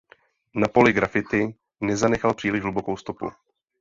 Na poli graffiti nezanechal příliš hlubokou stopu.